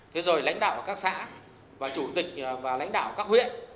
thế rồi lãnh đạo các xã và chủ tịch và lãnh đạo các huyện